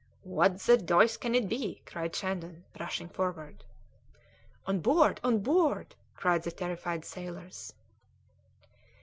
"What the deuce can it be?" cried Shandon, rushing forward. "On board! On board!" cried the terrified sailors.